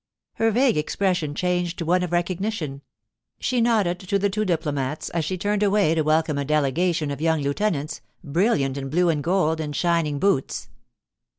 Her vague expression changed to one of recognition; she nodded to the two diplomats as she turned away to welcome a delegation of young lieutenants, brilliant in blue and gold and shining boots.